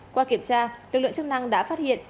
qua kiểm tra lực lượng chức năng đã phát hiện